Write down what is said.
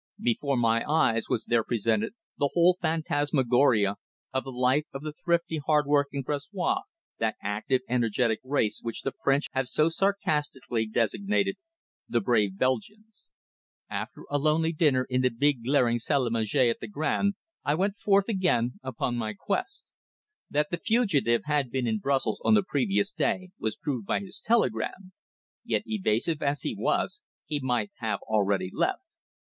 Before my eyes was there presented the whole phantasmagoria of the life of the thrifty, hard working Bruxellois, that active, energetic race which the French have so sarcastically designated "the brave Belgians." After a lonely dinner in the big, glaring salle à manger, at the Grand, I went forth again upon my quest. That the fugitive had been in Brussels on the previous day was proved by his telegram, yet evasive as he was, he might have already left.